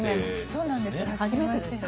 そうなんです。